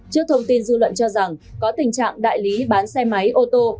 trước thông tin dư luận cho rằng có tình trạng đại lý bán xe máy ô tô